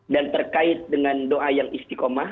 dan terkait dengan doa yang istikomah